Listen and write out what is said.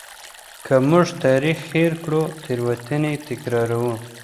که موږ تاریخ هیر کړو تېروتني تکراروو.